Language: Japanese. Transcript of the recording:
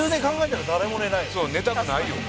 そう寝たくないよ。